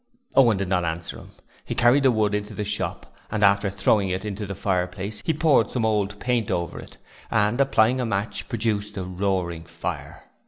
Owen did not answer him. He carried the wood into the shop and after throwing it into the fireplace he poured some old paint over it, and, applying a match, produced a roaring fire.